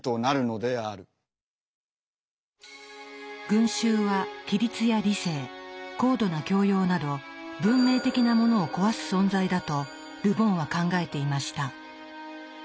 群衆は規律や理性高度な教養など文明的なものを壊す存在だとル・ボンは考えていました。